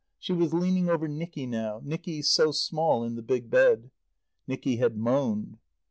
She was leaning over Nicky now, Nicky so small in the big bed. Nicky had moaned.